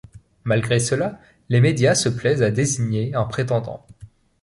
Malgré cela, les médias se plaisent à désigner un prétendant.